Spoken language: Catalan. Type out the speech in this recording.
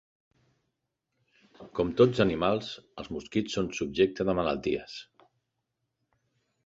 Com tots animals, els mosquits són subjecte de malalties.